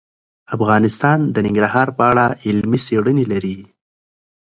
افغانستان د ننګرهار په اړه علمي څېړنې لري.